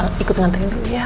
mama gak ikut nganterin dulu ya